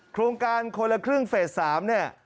โครงการคนละครึ่งเฟส๓เนี่ย